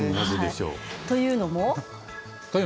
というのも？